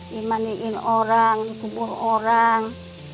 di mandiin orang dikubur orang